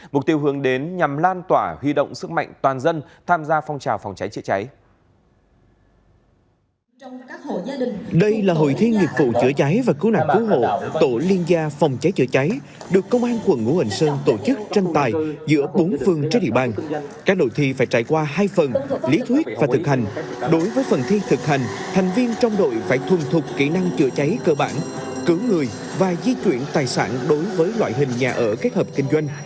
mục tiêu hướng đến nhằm lan tỏa huy động sức mạnh toàn dân tham gia phong trào phòng cháy chữa cháy